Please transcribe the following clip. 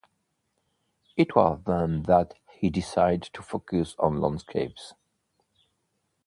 It was then that he decided to focus on landscapes.